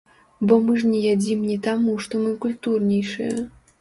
Бо мы ж не ядзім не таму, што мы культурнейшыя.